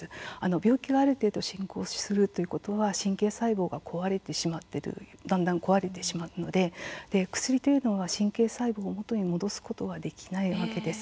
病気は、ある程度進行するということは神経細胞がだんだん壊れてしまっているので薬というのは神経細胞を元に戻すことはできないわけです。